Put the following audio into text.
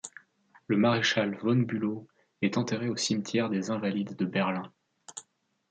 Le maréchal von Bülow est enterré au cimetière des Invalides de Berlin.